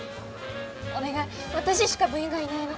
お願い私しか部員がいないの。